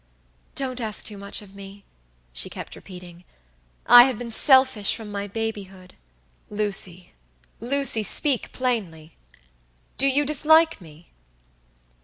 "Don't ask too much of me," she kept repeating; "I have been selfish from my babyhood." "LucyLucy, speak plainly. Do you dislike me?"